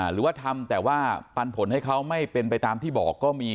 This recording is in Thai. หรือว่าทำแต่ว่าปันผลให้เขาไม่เป็นไปตามที่บอกก็มี